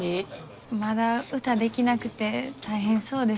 まだ歌できなくて大変そうです。